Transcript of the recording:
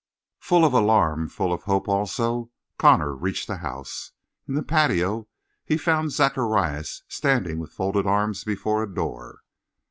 Full of alarm full of hope also Connor reached the house. In the patio he found Zacharias standing with folded arms before a door.